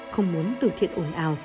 không muốn từ thiện ồn ào